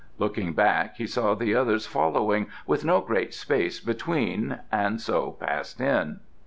Looking back he saw the others following, with no great space between, and so passed in.